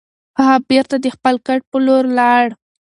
هغه بېرته د خپل کټ په لور لاړ.